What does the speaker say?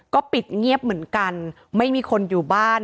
ก็ปิดเงียบเหมือนกันไม่มีคนอยู่บ้าน